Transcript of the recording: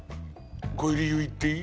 理由言っていい？